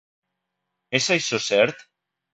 És això cert?